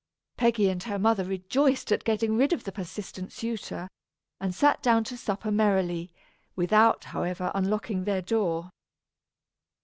Peggy and her mother rejoiced at getting rid of the persistent suitor, and sat down to supper merrily, without, however, unlocking their door.